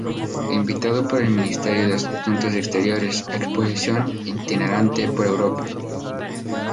Invitado por el Ministerio de Asuntos Exteriores, exposición itinerante por Europa.